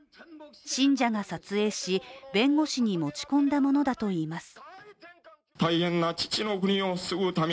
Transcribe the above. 信者が撮影し弁護士に持ち込んだものだといいます。